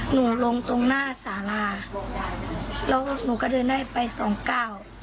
หนูลงตรงหน้าสาราแล้วหนูก็เดินได้ไปสองเก้า